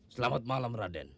selamat malam raden